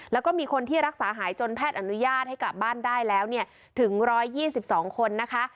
แล้วก็มีคนที่รักษาหายจนแพทย์อนุญาตให้กลับบ้านได้แล้วถึง๑๒๒คนนะคะ